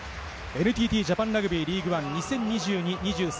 ＮＴＴジャパンラグビーリーグワン２０２２−２０２３